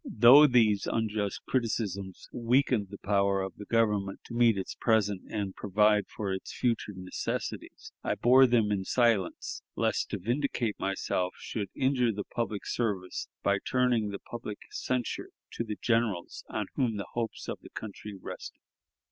Though these unjust criticisms weakened the power of the Government to meet its present and provide for its future necessities, I bore them in silence, lest to vindicate myself should injure the public service by turning the public censure to the generals on whom the hopes of the country rested.